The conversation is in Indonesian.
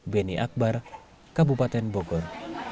beni akbar kabupaten bogor